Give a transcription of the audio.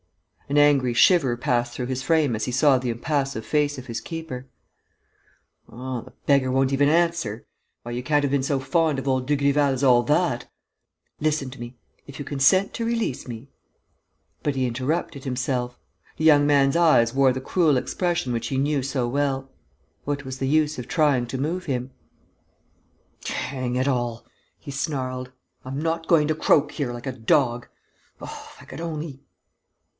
An angry shiver passed through his frame as he saw the impassive face of his keeper: "Oh, the beggar won't even answer! Why, you can't have been so fond of old Dugrival as all that! Listen to me: if you consent to release me...." But he interrupted himself. The young man's eyes wore the cruel expression which he knew so well. What was the use of trying to move him? "Hang it all!" he snarled. "I'm not going to croak here, like a dog! Oh, if I could only...."